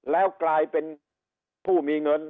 แล้วกลายเป็นผู้มีเงิน